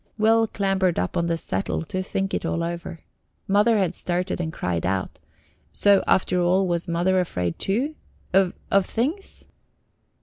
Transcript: Will clambered up on the settle to think it all over. Mother had started and cried out. So after all was Mother afraid too? Of of things?